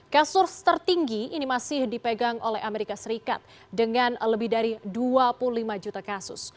kasus tertinggi ini masih dipegang oleh amerika serikat dengan lebih dari dua puluh lima juta kasus